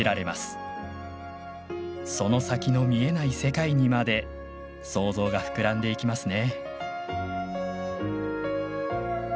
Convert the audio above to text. その先の見えない世界にまで想像が膨らんでいきますね。